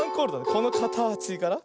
このかたちから。